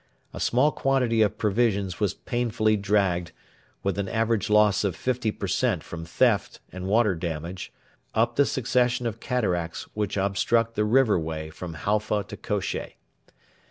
A small quantity of provisions was painfully dragged, with an average loss of 50 per cent from theft and water damage, up the succession of cataracts which obstruct the river way from Halfa to Kosheh.